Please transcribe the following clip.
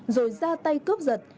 rồi ra tay cướp giật